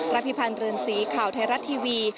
พิพันธ์เรือนสีข่าวไทยรัฐทีวี